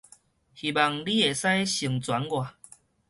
希望你會使成全我